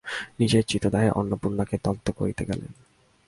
নিজের চিত্তদাহে অন্নপূর্ণাকে দগ্ধ করিতে গেলেন।